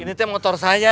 ini teh motor saya